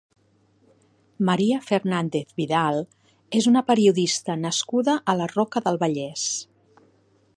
Maria Fernández Vidal és una periodista nascuda a la Roca del Vallès.